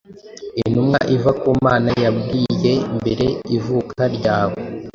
Intumwa iva ku Mana yabwiye mbere ivuka ryawe